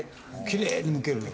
きれいにむけるの。